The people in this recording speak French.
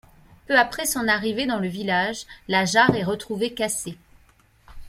Peu après son arrivée dans le village, la jarre est retrouvée cassée.